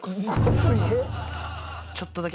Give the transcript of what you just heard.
ちょっとだけ。